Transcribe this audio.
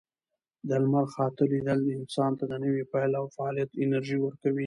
د لمر خاته لیدل انسان ته د نوي پیل او فعالیت انرژي ورکوي.